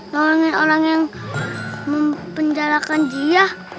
tolongin orang yang mempenjalakan jiah